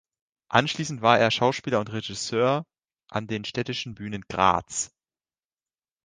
Anschließend war er Schauspieler und Regisseur an den Städtischen Bühnen Graz.